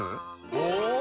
お！